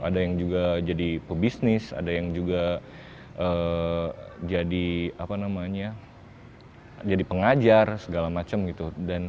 ada yang juga jadi pebisnis ada yang juga jadi apa namanya jadi pengajar segala macam gitu